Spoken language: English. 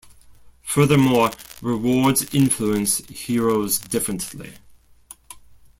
Furthermore, rewards influence heroes differently.